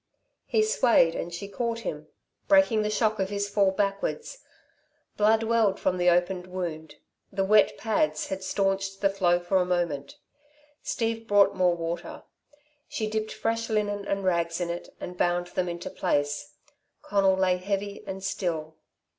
He swayed and she caught him, breaking the shock of his fall backwards. Blood welled from the open wound; the wet pads had staunched the flow for a moment. Steve brought more water. She dipped fresh linen and rags in it and bound them into place. Conal lay heavy and still.